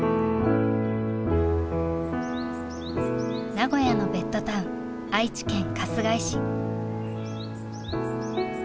名古屋のベッドタウン愛知県春日井市。